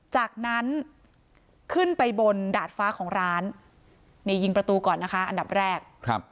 จากนั้นขึ้นไปบนดาดฟ้าของร้านนี่ยิงประตูก่อนนะคะอันดับแรก